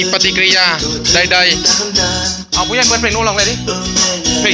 ปฏิกิริยาใดเอาผู้ใหญ่เปิดเพลงนู้นลองเลยดิเพลง